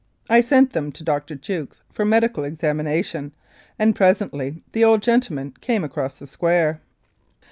I sent them to Dr. Jukes for medical examination, and presently the old gentleman came across the square.